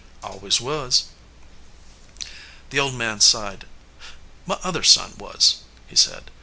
"Always was." The old man sighed. "My other son was," he said.